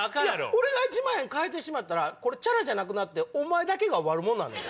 俺が一万円返してしまったらチャラじゃなくなってお前だけが悪者になんねんで？